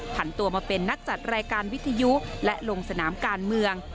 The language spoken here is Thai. ผ่านตัวมาเป็นนักจัดรายการวิทยุและลงสนามการเมือง